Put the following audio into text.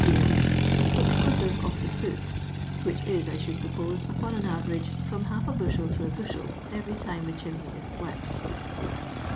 (yearly), exclusive of the soot, which is, I shoidd suppose, upon an average, from half a bushel to a bushel every time the chimney is swept."